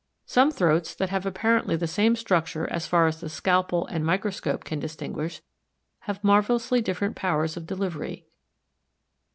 Some throats that have apparently the same structure as far as the scalpel and microscope can distinguish have marvelously different powers of delivery.